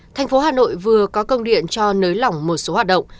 thành phố hà nội vừa có công điện cho nới lỏng một số hoạt động